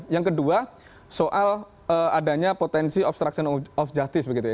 yang kedua soal adanya potensi obstruction of justice begitu ya